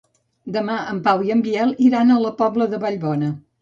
Demà en Pau i en Biel iran a la Pobla de Vallbona.